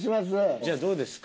じゃあどうですか？